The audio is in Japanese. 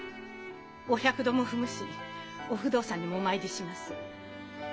お百度も踏むしお不動さんにもお参りします。